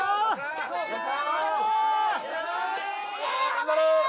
頑張れ！